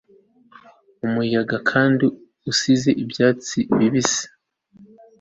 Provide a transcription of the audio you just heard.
umuyaga, kandi, usize ibyatsi bibisi